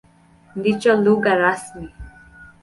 Ndicho lugha rasmi.